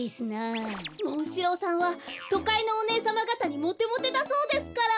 モンシローさんはとかいのおねえさまがたにモテモテだそうですから。